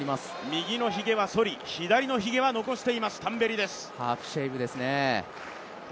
右のひげはそり、左のひげは残していますタンベリです。